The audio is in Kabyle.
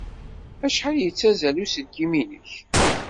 Acḥal yettazzal uselkim-nnek?